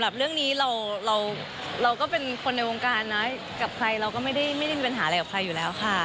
เรื่องนี้เราก็เป็นคนในวงการนะกับใครเราก็ไม่ได้มีปัญหาอะไรกับใครอยู่แล้วค่ะ